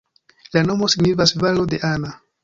La nomo signifas valo de Anna.